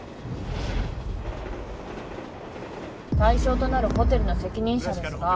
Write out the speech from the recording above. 対象となるホテルの責任者ですが。